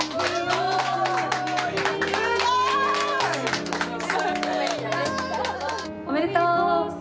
すごい！おめでとう！